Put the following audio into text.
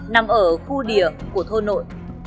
nằm ở khu địa của thôn nội